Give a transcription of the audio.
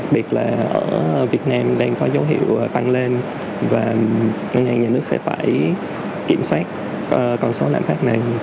biệt là ở việt nam đang có dấu hiệu tăng lên và ngân hàng nhà nước sẽ phải kiểm soát con số lạm phát này